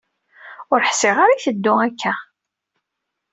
Ur ḥṣiɣ ara itteddu akka.